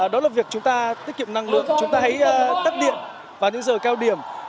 đó là việc chúng ta tiết kiệm năng lượng chúng ta hãy tắt điện vào những giờ cao điểm